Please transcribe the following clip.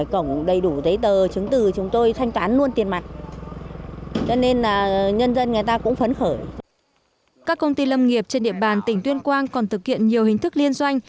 các công ty lâm nghiệp trên địa bàn tỉnh tuyên quang còn thực hiện nhiều hình thức liên doanh